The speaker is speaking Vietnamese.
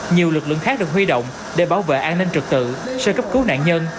nhiều lực lượng khác được huy động để bảo vệ an ninh trực tự sơ cấp cứu nạn nhân